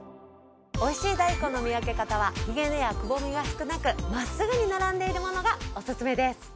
美味しい大根の見分け方はひげ根やくぼみが少なくまっすぐに並んでいるものがおすすめです。